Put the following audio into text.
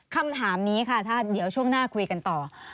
คำถามนี้ค่ะท่านเดี๋ยวช่วงหน้าคุยกันต่อ